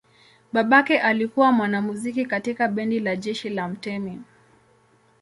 Babake alikuwa mwanamuziki katika bendi la jeshi la mtemi.